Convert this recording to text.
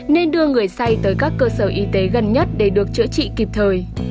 nên đưa người say tới các cơ sở y tế gần nhất để được chữa trị kịp thời